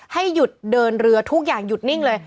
ให้หยุดเดินเรือทุกอย่างหยุดนิ่งเลย